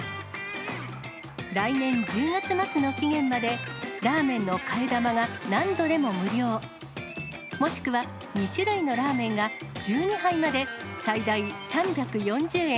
来年１０月末の期限まで、ラーメンの替え玉が何度でも無料、もしくは２種類のラーメンが１２杯まで最大３４０円